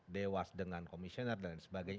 dewas dengan komisioner dan sebagainya